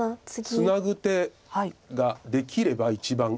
ツナぐ手ができれば一番いいんです。